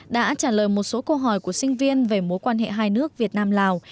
đã trả lời một số câu hỏi của sinh viên về mối quan hệ hai nước việt nam lào